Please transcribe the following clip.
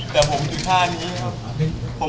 แต่ผมถือท่านี้ครับ